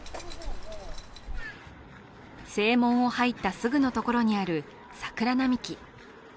正門を入ったすぐのところにある桜並木。